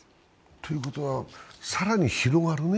ということは更に広がるね。